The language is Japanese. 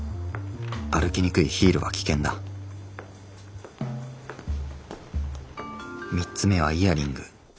歩きにくいヒールは危険だ３つ目はイヤリング。